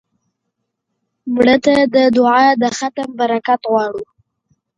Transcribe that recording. مړه ته د دعا د ختم برکت غواړو